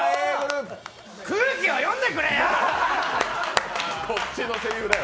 空気を読んでくれよ！